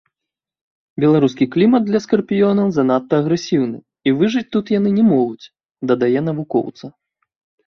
Беларускі клімат для скарпіёнаў занадта агрэсіўны, і выжыць тут яны не могуць, дадае навукоўца.